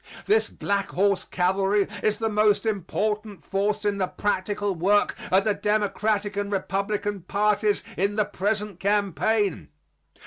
This Black Horse Cavalry is the most important force in the practical work of the Democratic and Republican parties in the present campaign.